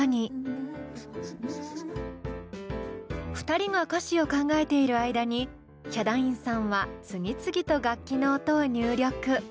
２人が歌詞を考えている間にヒャダインさんは次々と楽器の音を入力。